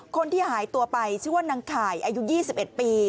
คนที่หายตัวไปชื่อว่านางข่ายอายุ๒๑ปี